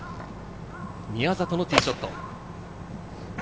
宮里のティーショット。